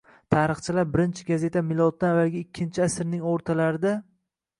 Tarixchilar birinchi gazeta miloddan avvalgi ikkinchi asrning o‘rtalarida